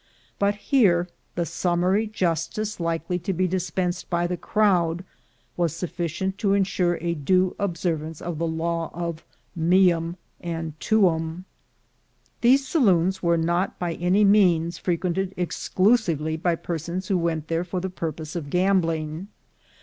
But here the summary justice likely to be dispensed by the crowd, was sufficient to insure a due observance of the law of meum and tuum. These saloons were not by any means frequented exclusively by persons who went there for the pur pose of gambling.